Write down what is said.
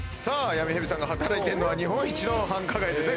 闇蛇さんが働いているのは日本一の繁華街ですね